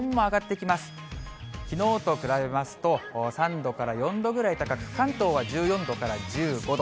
きのうと比べますと３度から４度ぐらい高く、関東は１４度から１５度。